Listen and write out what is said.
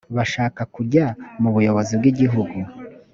bashaka kujya mu buyobozi bw’igihugu